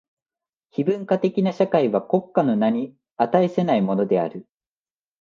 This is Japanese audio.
非文化的な社会は国家の名に価せないものである。